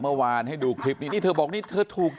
เมื่อวานให้ดูคลิปนี้นี่เธอบอกนี่เธอถูก